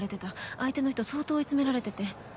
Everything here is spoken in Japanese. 相手の人相当追い詰められてて。